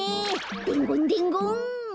でんごんでんごん。